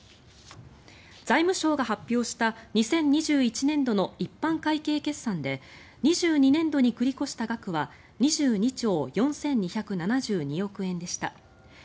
財務省が発表した２０２１年度の一般会計決算で２２年度に繰り越した額は２２兆４２７２億円でした。